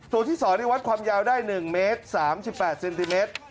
ตัวที่๒วัดความยาวได้๑เมตร๓๘เซนติเมตร